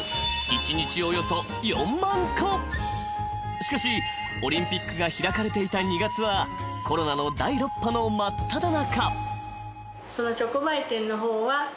［しかしオリンピックが開かれていた２月はコロナの第６波の真っただ中］